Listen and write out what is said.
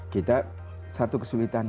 kita satu kesulitan